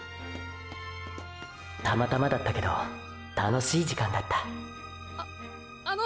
たまたまだったけど楽しい時間だったああの。